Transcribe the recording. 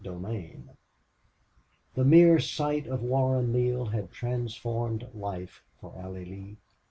32 The mere sight of Warren Neale had transformed life for Allie Lee.